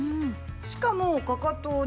しかもかかとをね